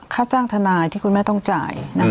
ค่าจ้างทนายที่คุณแม่ต้องจ่าย